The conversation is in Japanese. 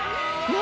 何？